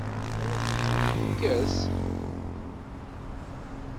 Ad akent-ten-yekkes?